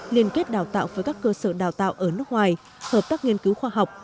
liên kết đào tạo với các cơ sở đào tạo ở nước ngoài hợp tác nghiên cứu khoa học